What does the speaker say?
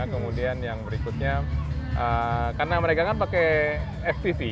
kemudian yang berikutnya karena mereka kan pakai ftv